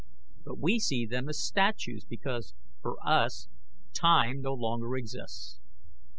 But we see them as statues, because, for us, time no longer exists.